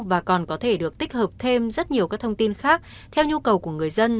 và còn có thể được tích hợp thêm rất nhiều các thông tin khác theo nhu cầu của người dân